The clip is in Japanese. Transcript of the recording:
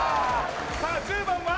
さあ１０番は？